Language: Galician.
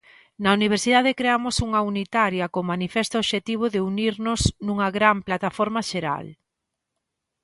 Na Universidade creamos unha unitaria co manifesto obxectivo de unirnos nunha gran plataforma xeral.